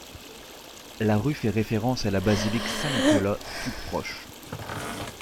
La rue fait référence à la basilique saint-Nicolas toute proche.